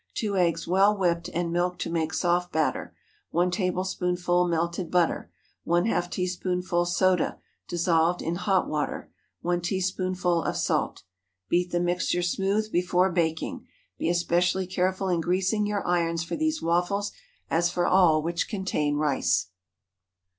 2 eggs well whipped, and milk to make soft batter. 1 tablespoonful melted butter. ½ teaspoonful soda, dissolved in hot water. 1 teaspoonful of salt. Beat the mixture smooth before baking. Be especially careful in greasing your irons for these waffles, as for all which contain rice.